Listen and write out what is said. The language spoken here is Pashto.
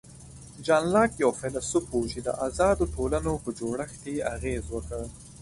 جان لاک یو فیلسوف و چې د آزادو ټولنو پر جوړښت یې اغېز وکړ.